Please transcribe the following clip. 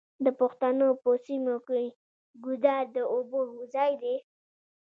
د پښتنو په سیمو کې ګودر د اوبو ځای دی.